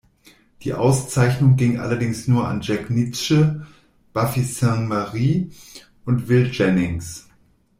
Die Auszeichnung ging allerdings nur an Jack Nitzsche, Buffy Sainte-Marie und Will Jennings.